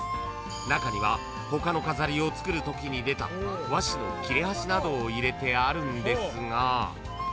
［中には他の飾りを作るときに出た和紙の切れ端などを入れてあるんですが］